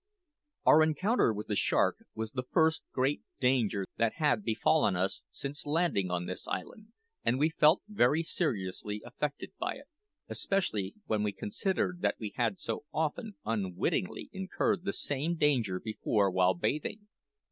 Our encounter with the shark was the first great danger that had befallen us since landing on this island; and we felt very seriously affected by it, especially when we considered that we had so often unwittingly incurred the same danger before while bathing.